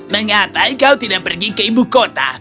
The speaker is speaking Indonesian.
mengapa kau tidak pergi ke ibu kota